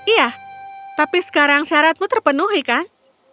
iya tapi sekarang syaratmu terpenuhi kan